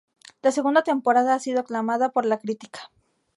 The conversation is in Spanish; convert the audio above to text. La segunda temporada ha sido aclamada por la crítica.